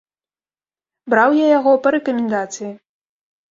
Браў я яго па рэкамендацыі.